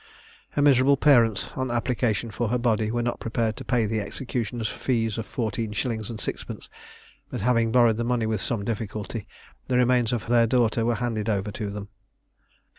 Her miserable parents, on application for her body, were not prepared to pay the executioner's fees of fourteen shillings and sixpence: but having borrowed the money with some difficulty, the remains of their daughter were handed over to them.